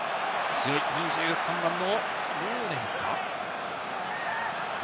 ２３番のローレンスか。